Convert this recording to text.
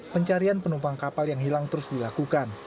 pencarian penumpang kapal yang hilang terus dilakukan